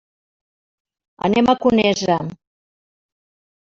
Anem a Conesa.